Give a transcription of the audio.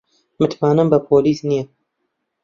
متمانەم بە پۆلیس نییە.